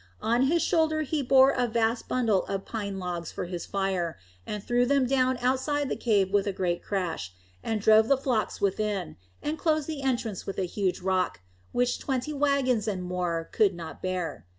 On his shoulder he bore a vast bundle of pine logs for his fire, and threw them down outside the cave with a great crash, and drove the flocks within, and closed the entrance with a huge rock, which twenty wagons and more could not bear.